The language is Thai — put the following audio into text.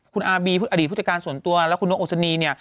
คุณอาร์บีอดีตผู้จัดการส่วนตัวและคุณนกอุศนีเนี่ย